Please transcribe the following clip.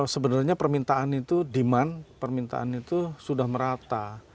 sebenarnya permintaan itu demand permintaan itu sudah merata